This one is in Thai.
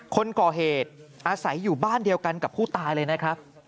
คนก่อเหตุอาศัยอยู่บ้านเดียวกันกับผู้ตายเลยนะครับ